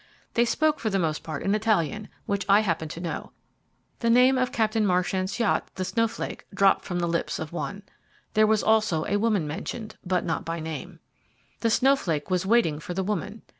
They spoke for the most part in Italian, which I happen to know. The name of Captain Marchant's yacht, the Snowflake, dropped from the lips of one. There was also a woman mentioned, but not by name. The Snowflake was waiting for the woman.